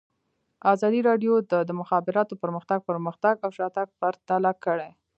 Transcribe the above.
ازادي راډیو د د مخابراتو پرمختګ پرمختګ او شاتګ پرتله کړی.